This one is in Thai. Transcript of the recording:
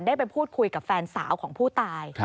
ได้ไปพูดคุยกับแฟนสาวของผู้ตาย